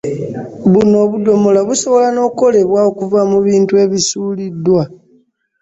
Buno obudomola busobola n’okukolebwa okuva bintu ebisuuliddwa.